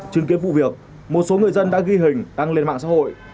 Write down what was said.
trưng kiếp vụ việc một số người dân đã ghi hình đăng lên mạng xã hội